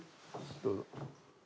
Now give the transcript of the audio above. どうぞ。